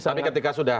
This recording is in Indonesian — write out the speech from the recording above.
tapi ketika sudah